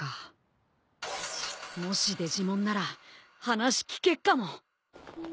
もしデジモンなら話聞けっかも。